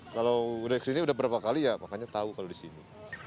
kalau udah kesini udah berapa kali ya makanya tahu kalau di sini